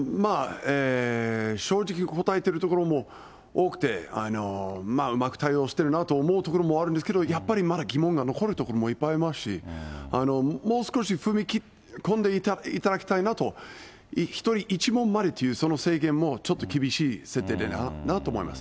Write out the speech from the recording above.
正直、答えているところも多くて、うまく対応してるなと思うところもあるんですけど、やっぱりまだ疑問が残るところもいっぱいありますし、もう少し踏み込んでいただきたいなと、１人１問までというその制限もちょっと厳しい設定だなと思います。